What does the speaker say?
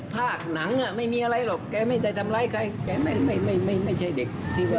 ภาคหนังไม่มีอะไรหรอกแกไม่ได้ทำร้ายใครแกไม่ไม่ไม่ใช่เด็กที่ว่า